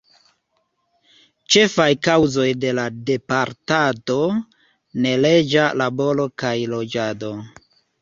Ĉefaj kaŭzoj de la deportado: neleĝa laboro kaj loĝado.